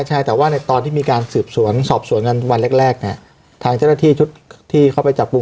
ใช่แต่ว่าในตอนที่มีการสอบสวนวันแรกทางเจ้าหน้าที่ชุดที่เขาไปจับปรุง